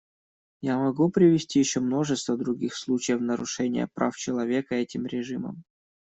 Я могу привести еще множество других случаев нарушения прав человека этим режимом.